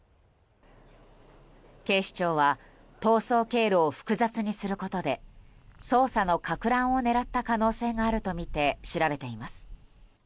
警視庁は逃走経路を複雑にすることで捜査のかく乱を狙った可能性があるとみて調べています。